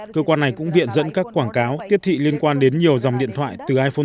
cơ quan này cũng viện dẫn các quảng cáo tiếp thị liên quan đến nhiều dòng điện thoại từ iphone